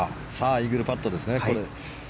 イーグルパットですね。